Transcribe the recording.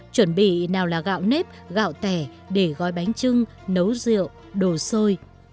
chuẩn bị nào là gạo nếp gạo tẻ để gói bánh trưng nấu rượu đồ xôi